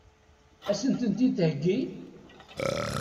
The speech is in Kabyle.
Ad sen-ten-id-theggi?